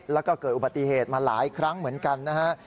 แล้วก็เกิดอุบัติเหตุมาหลายครั้งเหมือนกันนะฮะ